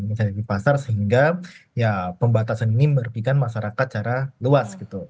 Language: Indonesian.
misalnya di pasar sehingga ya pembatasan ini merugikan masyarakat secara luas gitu